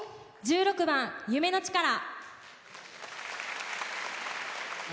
１６番「夢のチカラ」。